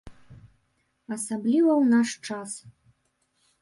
Асабліва ў наш час.